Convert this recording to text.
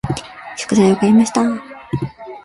食材を買いました。